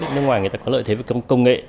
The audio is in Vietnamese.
nước ngoài người ta có lợi thế về công nghệ